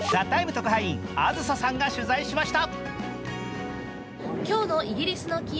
特派員、あずささんが取材しました。